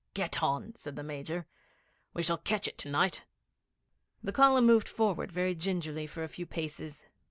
'Get on,' said the Major. 'We shall catch it to night.' The column moved forward very gingerly for a few paces.